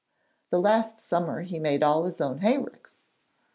The last summer he made all his own hay ricks.